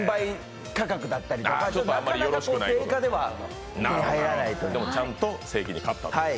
でもちゃんと正規に買ったと。